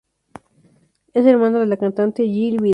Es hermana de la cantante Jill Vidal.